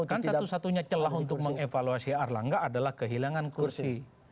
kan satu satunya celah untuk mengevaluasi erlangga adalah kehilangan kursi